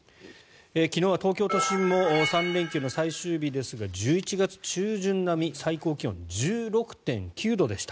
昨日は東京都心も３連休の最終日１１月中旬並み最高気温１６．９度でした。